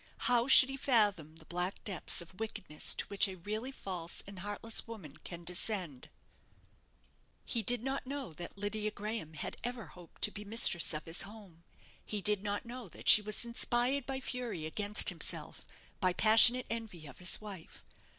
How should he fathom the black depths of wickedness to which a really false and heartless woman can descend? He did not know that Lydia Graham had ever hoped to be mistress of his home. He did not know that she was inspired by fury against himself by passionate envy of his wife.